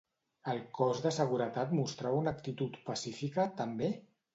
El cos de seguretat mostrava una actitud pacífica, també?